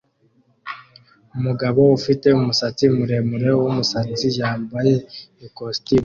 Umugabo ufite umusatsi muremure wumusatsi yambaye ikositimu